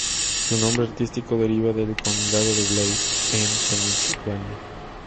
Su nombre artístico deriva del Condado de Blair, en Pennsylvania.